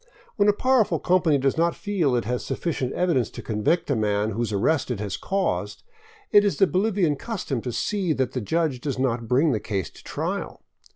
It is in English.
When a powerful company does not feel it has sufficient evidence to convict a man whose arrest it has caused, it is the Bolivian custom to see that the judge does not bring the case to trial.